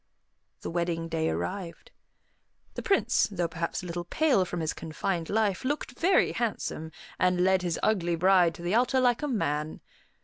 The wedding day arrived. The Prince, though perhaps a little pale from his confined life, looked very handsome, and led his ugly bride to the altar like a man.